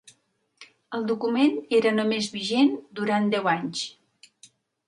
El document era només vigent durant deu anys.